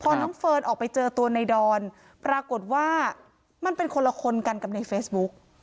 พอน้องเฟิร์นออกไปเจอตัวในดอนปรากฏว่ามันเป็นคนละคนกันกับในเฟซบุ๊ก